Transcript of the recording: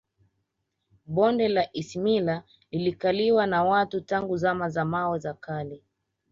Bonde la Isimila lilikaliwa na watu tangu Zama za Mawe za Kale